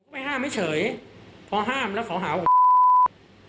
ไปห้ามไม่เฉยเพราะห้ามแล้วเขาหาว่า